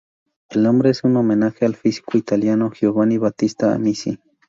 El nombre es un homenaje al físico italiano Giovanni Battista Amici.